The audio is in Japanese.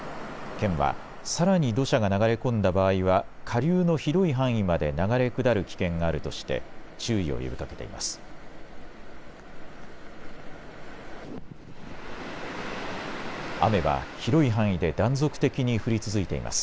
県は、さらに土砂が流れ込んだ場合は下流の広い範囲まで流れ下る危険があるとして注意を呼びかけています。